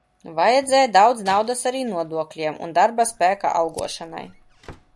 Vajadzēja daudz naudas arī nodokļiem un darba spēka algošanai.